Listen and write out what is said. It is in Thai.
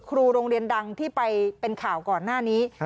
ครูโรงเรียนดังที่ไปเป็นข่าวก่อนหน้านี้